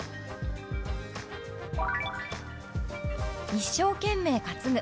「一生懸命担ぐ」。